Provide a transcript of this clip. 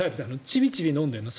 ちびちび飲んでるの？